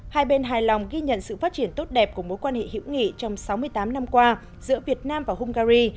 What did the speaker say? hai bên hài lòng ghi nhận sự phát triển tốt đẹp của mối quan hệ hữu nghị trong sáu mươi tám năm qua giữa việt nam và hungary